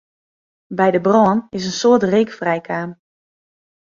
By de brân is in soad reek frijkaam.